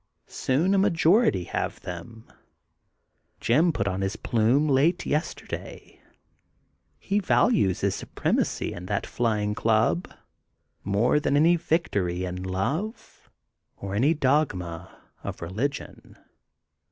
Soon a majority have them. Jim put on his plume late yesterday. THE GOLDEN BOOK OF SPRINGFIELD 296 He values his supremacy in that flying club more than any victory in love or any dogma of religion.